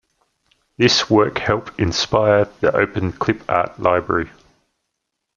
This work helped inspire the Open Clip Art Library.